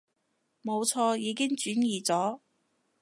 冇錯，已經轉移咗